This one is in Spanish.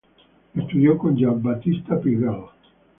Estudió con Jean-Baptiste Pigalle.